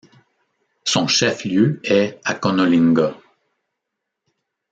Son chef-lieu est Akonolinga.